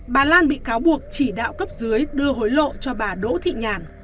bà lan bị cáo buộc chỉ đạo cấp dưới đưa hối lộ cho bà đỗ thị nhàn